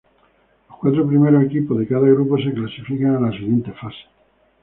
Los cuatro primeros equipos de cada grupo se clasifican a la siguiente fase.